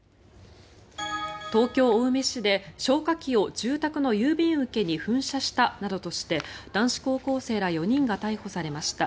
東京・青梅市で消火器を住宅の郵便受けに噴射したなどとして男子高校生ら４人が逮捕されました。